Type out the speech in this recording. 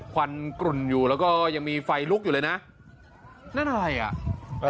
ควันกลุ่นอยู่แล้วก็ยังมีไฟลุกอยู่เลยนะนั่นอะไรอ่ะเออ